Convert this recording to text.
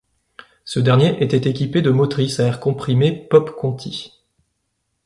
Ce dernier était équipé de motrices à air comprimé Popp-Conti.